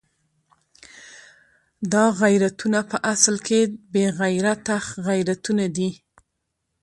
دا غیرتونه په اصل کې بې غیرته غیرتونه دي.